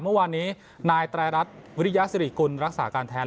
เมื่อวานนี้นายไตรรัฐวิริยสิริกุลรักษาการแทน